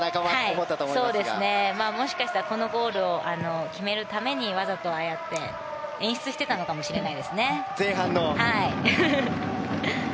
もしかしたらこのゴールを決めるためにわざとああやって演出していたのかも前半の。